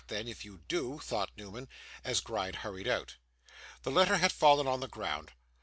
then, if you do,' thought Newman, as Gride hurried out. The letter had fallen on the ground.